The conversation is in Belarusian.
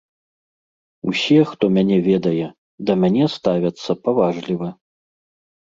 Усе, хто мяне ведае, да мяне ставяцца паважліва.